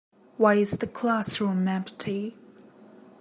Why is the classroom empty?